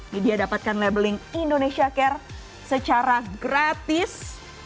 jadi dapatkan labeling indonesia care secara gratis